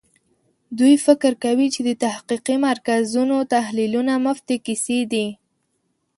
دوی فکر کوي چې د تحقیقي مرکزونو تحلیلونه مفتې کیسې دي.